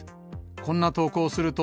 こんな投稿すると、